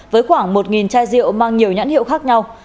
với khoảng một chai rượu mang nhiều nhãn hiệu khác nhau